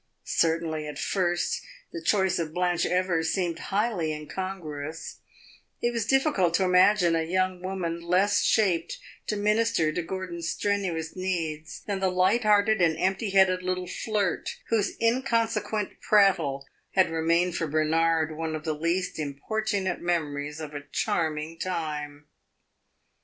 Certainly, at first, the choice of Blanche Evers seemed highly incongruous; it was difficult to imagine a young woman less shaped to minister to Gordon's strenuous needs than the light hearted and empty headed little flirt whose inconsequent prattle had remained for Bernard one of the least importunate memories of a charming time.